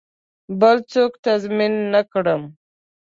بل څوک تضمین نه کړم.